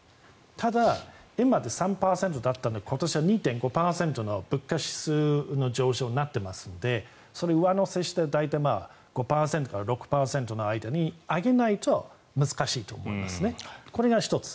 ただ、今まで３％だったのに今年は２．５％の物価指数の上昇になっていますのでそれを上乗せして大体５％から６％の間に上げないと難しいと思います、これが１つ。